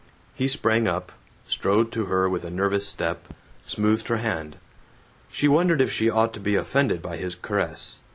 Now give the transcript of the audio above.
He sprang up, strode to her with a nervous step, smoothed her hand. She wondered if she ought to be offended by his caress.